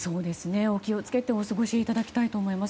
お気をつけてお過ごしいただきたいと思います。